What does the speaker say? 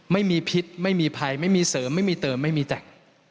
ไม่มีพิษไม่มีภัยไม่มีเสริมไม่มีเติมไม่มีแต่ง